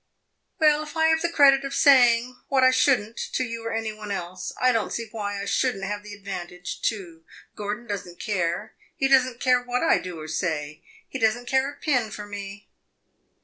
"Well, if I have the credit of saying what I should n't to you or to any one else I don't see why I should n't have the advantage too. Gordon does n't care he does n't care what I do or say. He does n't care a pin for me!"